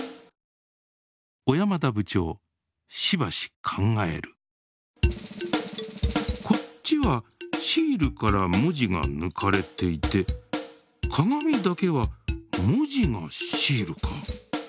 小山田部長しばし考えるこっちはシールから文字がぬかれていて「カガミ」だけは文字がシールか。